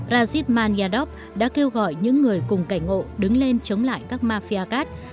razisman yadop đã kêu gọi những người cùng cảnh ngộ đứng lên chống lại các mafia cát